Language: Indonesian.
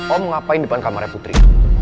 om ngapain depan kamarnya putri